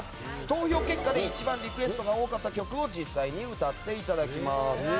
投票結果で一番リクエストが多かった曲を実際に歌っていただきます。